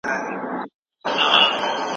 لومړني تشخیص ناروغانو ته ژر ګټه رسوي.